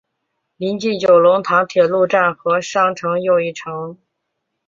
邻近九龙塘铁路站和商场又一城。